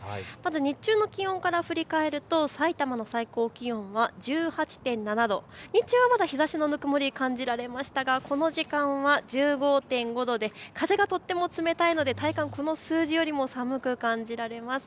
日中の気温から振り返ると埼玉の最高気温は１８．７度、日中はまだ日ざしのぬくもり感じられましたがこの時間、１５．５度で風がとっても冷たいので体感、この数字よりも寒く感じられます。